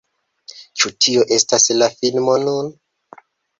Ĉu tio estas la filmo nun?